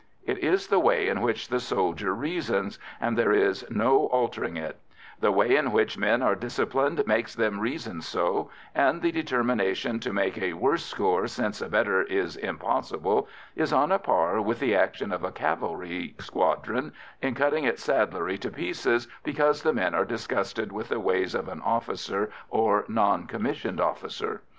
It is the way in which the soldier reasons, and there is no altering it; the way in which men are disciplined makes them reason so, and the determination to make a worse score since a better is impossible is on a par with the action of a cavalry squadron in cutting its saddlery to pieces because the men are disgusted with the ways of an officer or non commissioned officer.